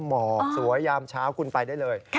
หมอกสวยยามเช้าคุณไปได้เลย